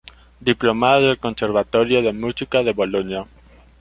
Diplomado del Conservatorio de Música de Boloña.